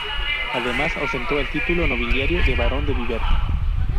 Además, ostentó el título nobiliario de barón de Viver.